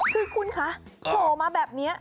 คือคุณคะโผล่มาแบบนี้